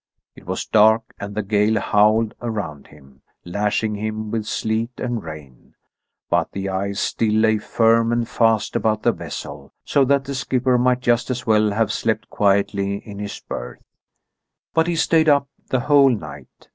It was dark, and the gale howled around him, lashing him with sleet and rain. But the ice still lay firm and fast about the vessel, so that the skipper might just as well have slept quietly in his berth. But he stayed up the whole night.